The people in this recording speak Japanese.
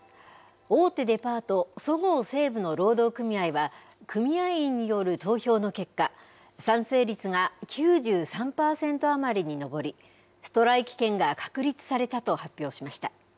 大手デパート、そごう・西武の労働組合は、組合員による投票の結果、賛成率が９３％余りに上り、ストライキ権が確立されたと発表しました。